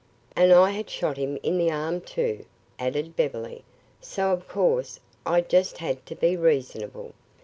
"And I had shot him in the arm, too," added Beverly. "So of course, I just had to be reasonable.